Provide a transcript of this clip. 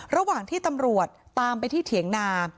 ระหว่างที่ตำรวจตามไปที่เถียงนา